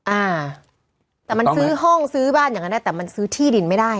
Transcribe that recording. อ่าแต่มันซื้อห้องซื้อบ้านอย่างนั้นได้แต่มันซื้อที่ดินไม่ได้